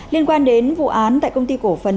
liên quan đến vụ án tại công ty cổ phần